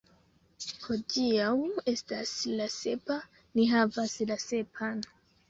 Hodiaŭ estas la sepa, ni havas la sepan.